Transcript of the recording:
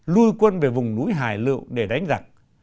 lui quân về vùng núi hải lự để đánh giặc